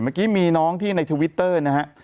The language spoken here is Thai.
เมื่อกี้มีน้องที่ในทวิตเตอร์นะฮะ